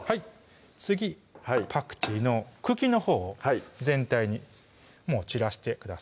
次パクチーの茎のほうを全体に散らしてください